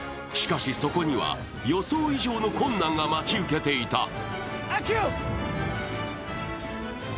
しかし、そこには予想以上の困難が待ち受けていた。